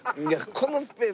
このスペース。